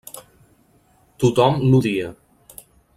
Tothom l'odia.